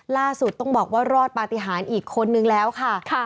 ล่าสุดต้องบอกว่ารอดปฏิหารอีกคนนึงแล้วค่ะ